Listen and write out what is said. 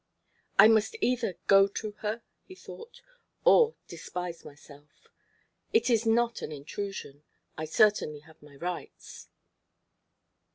"I must either go to her," he thought, "or despise myself. It is not an intrusion; I certainly have my rights."